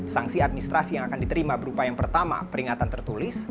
sanksi administrasi yang akan diterima berupa yang pertama peringatan tertulis